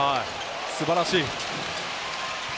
素晴らしい。